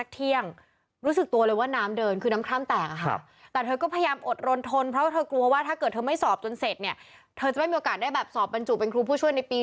เธอต้องไปสอบบรรจุเป็นครูผู้ช่วย